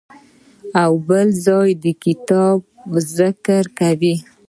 او بل ځای د خپل کتاب ذکر کوي.